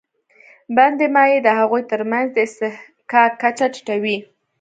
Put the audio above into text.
بندي مایع د هغوی تر منځ د اصطحکاک کچه ټیټوي.